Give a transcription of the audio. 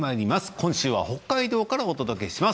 今週は北海道からお届けします。